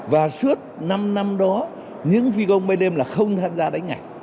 và suốt năm năm đó những phi công bay đêm là không tham gia đánh nhạc